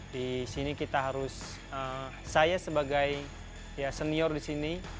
di sini kita harus saya sebagai senior di sini